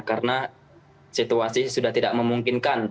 karena situasi sudah tidak memungkinkan